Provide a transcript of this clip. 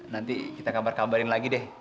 nanti kita kabar kabarin lagi deh